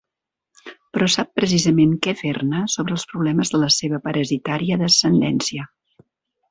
Però sap precisament què fer-ne sobre els problemes de la seva parasitària descendència.